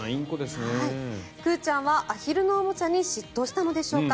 くうちゃんはアヒルのおもちゃに嫉妬したのでしょうか。